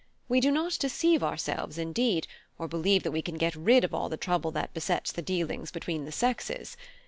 We do not deceive ourselves, indeed, or believe that we can get rid of all the trouble that besets the dealings between the sexes.